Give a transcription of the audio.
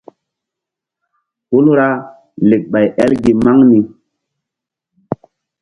Hul ra lek ɓay el gi maŋ ni.